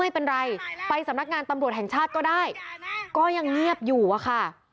ไม่เป็นไรไปสำนักงานตำรวจแห่งชาติก็ได้ก็ยังเงียบอยู่อะค่ะ